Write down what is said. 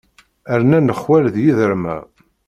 Rnan lexwal d yiderma.